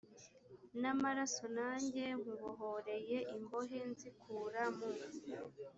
n amaraso nanjye nkubohoreye imbohe nzikura mu